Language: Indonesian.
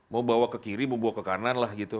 mau bawa ke kiri mau bawa ke kanan lah gitu